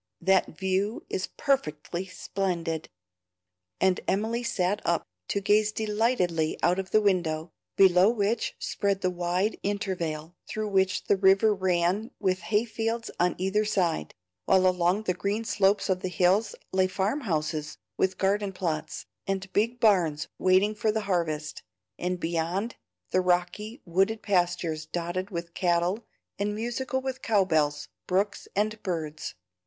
That view is perfectly splendid!" and Emily sat up to gaze delightedly out of the window, below which spread the wide intervale, through which the river ran with hay fields on either side, while along the green slopes of the hills lay farm houses with garden plots, and big barns waiting for the harvest; and beyond, the rocky, wooded pastures dotted with cattle and musical with cow bells, brooks, and birds.